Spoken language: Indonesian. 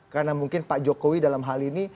karena mungkin pak jokowi dalam hal ini